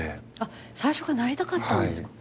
最初からなりたかったんですか。